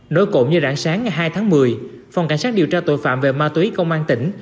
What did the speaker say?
nối cổ như rãng sáng ngày hai tháng một mươi phòng cảnh sát điều tra tội phạm về ma túy công an tỉnh